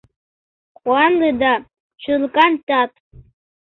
Куанле да… шӱлыкан тат.